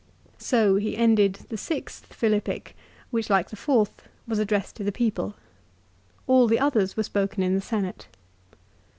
l So he ended the sixth Philippic, which like the fourth was addressed to the people. All the others were spoken in the Senate.